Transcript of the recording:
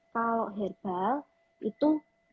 kalau herbal itu